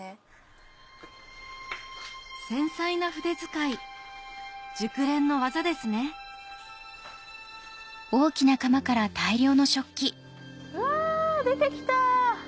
繊細な筆遣い熟練の技ですねうわ出て来た！